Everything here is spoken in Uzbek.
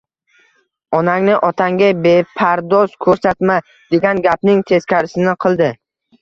Onangni otangga bepardoz ko‘rsatma degan gapning teskarisini qildi